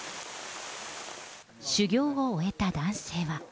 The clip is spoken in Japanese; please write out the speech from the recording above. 修行を終えた男性は。